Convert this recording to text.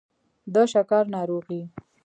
د شکر ناروغي